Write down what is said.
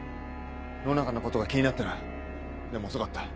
野中のことが気になってなでも遅かった。